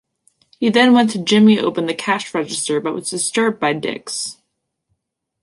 He then went to jimmy open the cash register but was disturbed by Dicks.